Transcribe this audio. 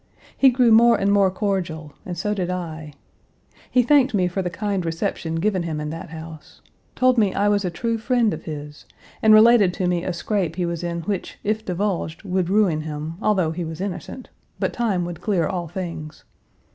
He grew more and more cordial and so did I. He thanked me for the kind reception given him in that house; told me I was a true friend of his, and related to me a scrape he was in which, if divulged, would ruin him, although he was innocent; but time would clear all things.